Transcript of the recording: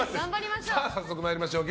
早速、参りましょう。